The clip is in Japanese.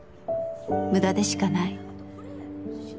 ［無駄でしかない］